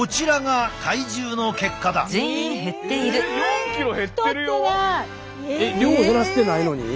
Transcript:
えっ量減らしてないのに？